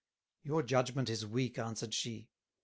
"Your Judgment is Weak," answered she.